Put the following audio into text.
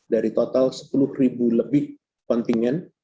dari total sepuluh lebih kontinen